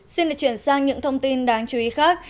xin được chuyển sang những thông tin đáng chú ý khác